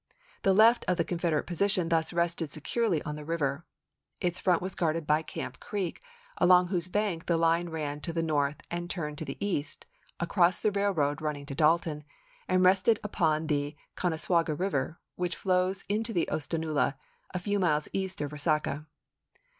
The left of the Con federate position thus rested securely on the river. Its front was guarded by Camp Creek, along whose bank the line ran to the north and turned to the east across the railroad running to Dalton, and rested upon the Connasauga River, which flows into the Oostanaula a few miles east of Resaca.